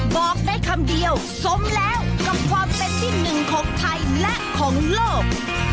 บอกได้คำเดียวสมแล้วกับความเป็นที่หนึ่งของไทยและของโลก